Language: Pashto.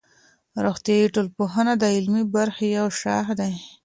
روغتیایی ټولنپوهنه د عملي برخې یو شاخ دی.